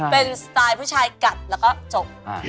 เป็นสไตล์ผู้ชายกัดแล้วก็จบ